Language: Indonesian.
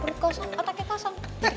perut kosong otaknya kosong